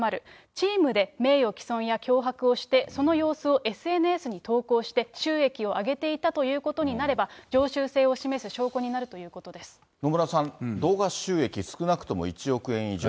チームで名誉毀損や脅迫をして、その様子をＳＮＳに投稿して、収益を上げていたということになれば、常習性を示す証拠になると野村さん、動画収益、少なくとも１億円以上。